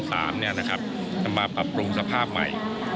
นำมาปรับปรุงสภาพใหม่